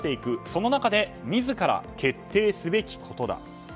その中で自ら決定すべきことだ。